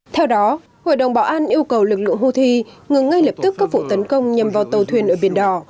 theo đó hội đồng bảo an yêu cầu lực lượng houthi ngừng ngay lập tức các vụ tấn công nhằm vào tàu thuyền ở biển đỏ